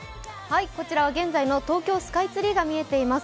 こちらは現在の東京スカイツリーが見えています。